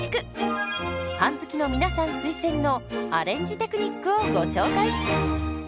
パン好きの皆さん推薦のアレンジテクニックをご紹介。